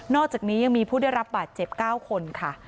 อกจากนี้ยังมีผู้ได้รับบาดเจ็บ๙คนค่ะ